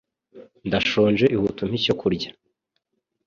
Ndashonje! Ihute umpe icyo kurya